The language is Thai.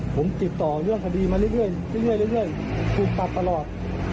ผมติดต่อเรื่องคดีมาเรื่อยถูกปรับตลอด